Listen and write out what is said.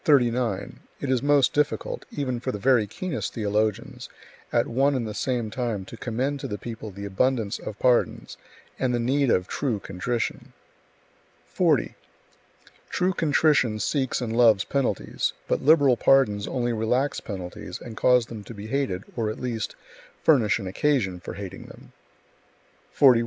It is most difficult, even for the very keenest theologians, at one and the same time to commend to the people the abundance of pardons and [the need of] true contrition. 40. True contrition seeks and loves penalties, but liberal pardons only relax penalties and cause them to be hated, or at least, furnish an occasion [for hating them]. 41.